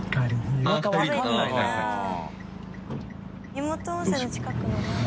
湯本温泉の近くの何？